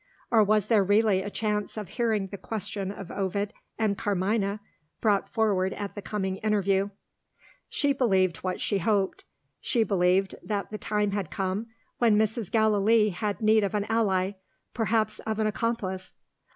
or was there really a chance of hearing the question of Ovid and Carmina brought forward at the coming interview? She believed what she hoped: she believed that the time had come when Mrs. Gallilee had need of an ally perhaps of an accomplice.